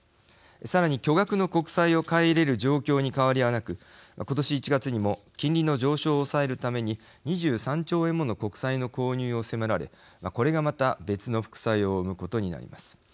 さらに巨額の国債を買い入れる状況に変わりはなく今年１月にも金利の上昇を抑えるために２３兆円もの国債の購入を迫られこれがまた別の副作用を生むことになります。